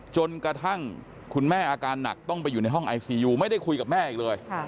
จนกระทั่งคุณแม่อาการหนักต้องไปอยู่ในห้องไอซียูไม่ได้คุยกับแม่อีกเลย